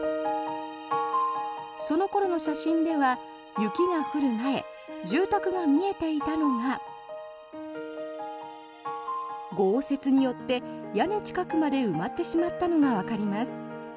その頃の写真では雪が降る前住宅が見えていたのが豪雪によって屋根近くまで埋まってしまったのがわかります。